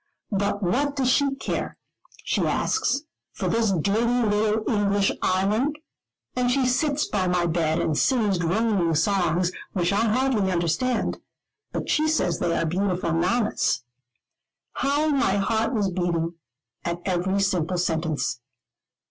But what does she care she asks for this dirty little English island? And she sits by my bed, and sings droning songs, which I hardly understand; but she says they are beautiful nannas." How my heart was beating, at every simple sentence.